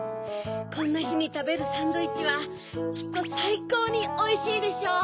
こんなひにたべるサンドイッチはきっとさいこうにおいしいでしょう。